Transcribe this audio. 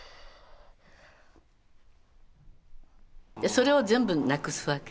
それを全部なくすわけ。